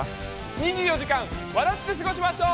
２４時間笑って過ごしましょう。